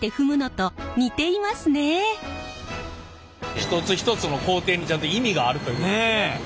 一つ一つの工程にちゃんと意味があるということですね。